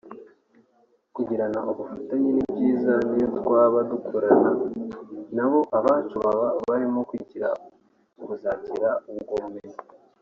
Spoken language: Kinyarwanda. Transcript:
Kugirana ubufatanye ni byiza niyo twaba dukorana nabo abacu baba barimo kwiga bakazagira ubwo bumenyi